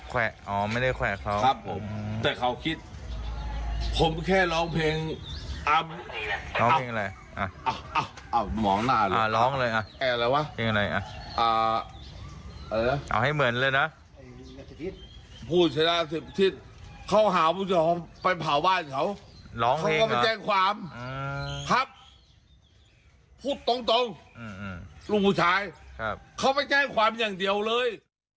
เขาไปแจ้งความครับพูดตรงลุงผู้ชายเขาไปแจ้งความอย่างเดียวเลย